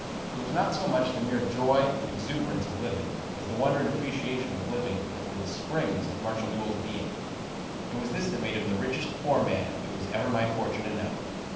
It was not so much the mere joy and exuberance of living, as the wonder and appreciation of living that were the springs of Marshall Newell's being. "It was this that made him the richest poor man it was ever my fortune to know.